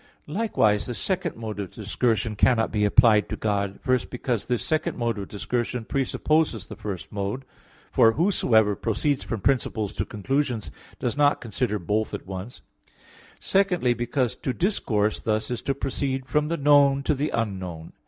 Likewise the second mode of discursion cannot be applied to God. First, because this second mode of discursion presupposes the first mode; for whosoever proceeds from principles to conclusions does not consider both at once; secondly, because to discourse thus is to proceed from the known to the unknown.